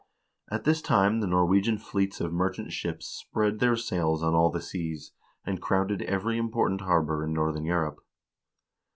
At this time the Norwegian fleets of merchant ships spread their sails on all the seas, and crowded every important harbor in northern Europe.